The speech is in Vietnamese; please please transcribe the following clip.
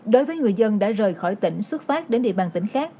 đối với người dân đã rời khỏi tỉnh xuất phát đến địa bàn tỉnh khác